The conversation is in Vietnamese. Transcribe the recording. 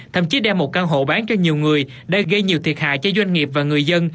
thậm chí đeo một căn hộ bán cho nhiều người để gây nhiều thiệt hại cho doanh nghiệp và người dân